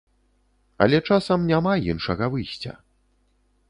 Але часам няма іншага выйсця.